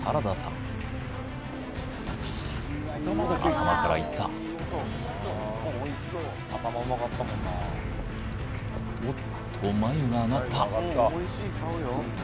頭からいったおっと眉が上がった